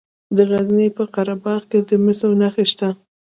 د غزني په قره باغ کې د مسو نښې شته.